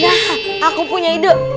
nah aku punya ide